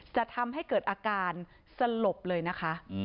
จะทำให้เกิดอาการสลบเลยนะคะ